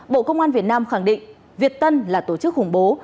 bộ công an việt nam khẳng định việt tân là tổ chức khủng bố